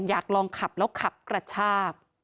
อยากลองขับแล้วขับกระชาก